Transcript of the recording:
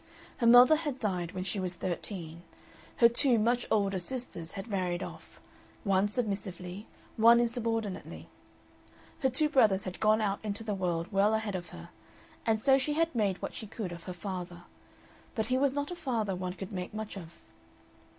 Her mother had died when she was thirteen, her two much older sisters had married off one submissively, one insubordinately; her two brothers had gone out into the world well ahead of her, and so she had made what she could of her father. But he was not a father one could make much of.